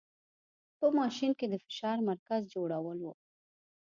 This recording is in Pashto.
په ماشین کې د فشار مرکز جوړول و.